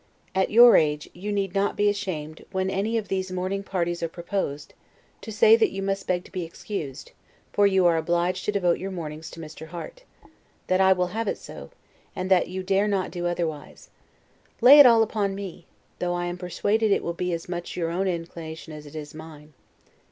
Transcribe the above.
At your age, you need not be ashamed, when any of these morning parties are proposed, to say that you must beg to be excused, for you are obliged to devote your mornings to Mr. Harte; that I will have it so; and that you dare not do otherwise. Lay it all upon me; though I am persuaded it will be as much your own inclination as it is mine.